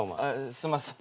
すんません。